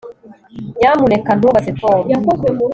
nyamuneka ntubaze tom